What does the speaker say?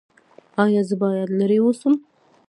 ایا زه باید لرې اوسم؟